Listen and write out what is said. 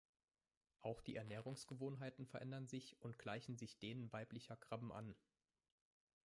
Auch die Ernährungsgewohnheiten verändern sich und gleichen sich denen weiblicher Krabben an.